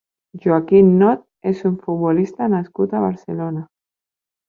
Joaquín Not és un futbolista nascut a Barcelona.